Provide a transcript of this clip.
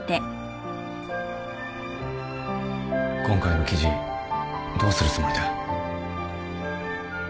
今回の記事どうするつもりだ？